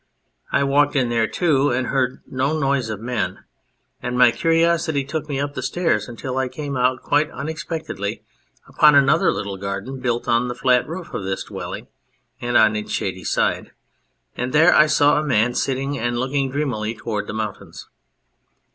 I walked in there too and heard no noise of men, and my curiosity took me up the stairs until I came out quite unexpectedly upon another little garden built 011 the flat roof of this dwelling and on its shady side. And there I saw a man sitting and looking dreamily towards the mountains.